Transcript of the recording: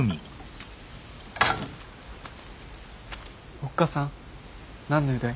おっかさん何の用だい？